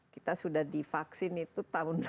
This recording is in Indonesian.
kita sudah divaksin itu